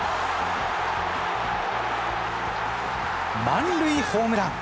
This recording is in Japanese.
満塁ホームラン。